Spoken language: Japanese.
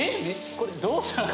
これどうしたの？